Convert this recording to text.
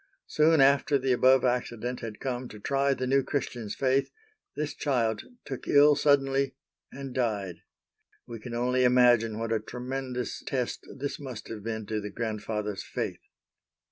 Soon after the above accident had come to try the new Christian's faith, this child took ill suddenly and died. We can only imagine what a tremendous test this must have been to the grandfather's faith.